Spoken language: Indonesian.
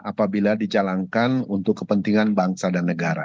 apabila dijalankan untuk kepentingan bangsa dan negara